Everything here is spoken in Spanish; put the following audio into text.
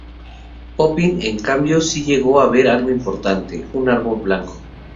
Pippin, en cambio, sí llegó a ver algo importante: un árbol blanco.